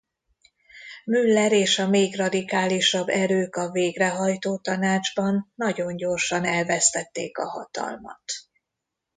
Müller és a még radikálisabb erők a Végrehajtó Tanácsban nagyon gyorsan elvesztették a hatalmat.